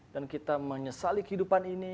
dan kita menyesali kehidupan ini